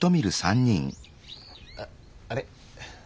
あっあれっ